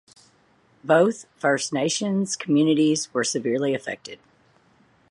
Both First Nations communities were severely affected.